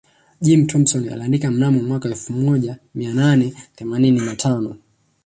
Jim Thompson aliandika mnamo mwaka elfu moja mia nane themanini na tano